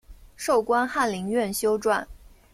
授官翰林院修撰。